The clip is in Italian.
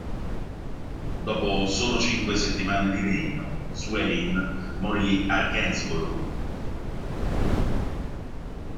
Dopo solo cinque settimane di regno, Sweyn morì a Gainsborough.